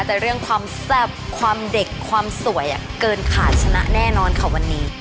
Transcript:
แต่เรื่องความแซ่บความเด็กความสวยเกินขาดชนะแน่นอนค่ะวันนี้